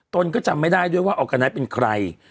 ตนก็จำไม่ได้ด้วยว่าออร์กาไนท์เป็นใคร